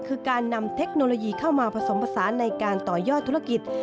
คือการนำเทคโนโลยีเข้ามาผสมผสานในการต่อยอดธุรกิจ